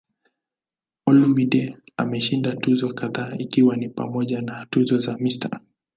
Olumide ameshinda tuzo kadhaa ikiwa ni pamoja na tuzo ya "Mr.